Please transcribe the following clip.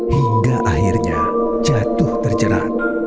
hingga akhirnya jatuh terjerat